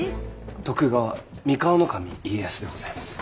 徳川三河守家康でございます。